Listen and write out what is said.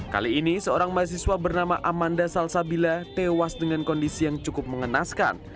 kali ini seorang mahasiswa bernama amanda salsabila tewas dengan kondisi yang cukup mengenaskan